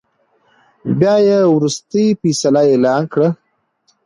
بيا يې ورورستۍ فيصله اعلان کړه .